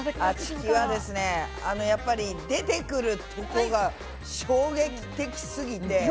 あちきはですねあのやっぱり出てくるとこが衝撃的すぎて。